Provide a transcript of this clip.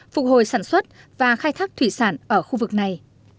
phục hồi sản xuất và khai thác thủy sản ở khu vực này